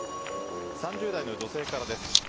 ３０代の女性からです。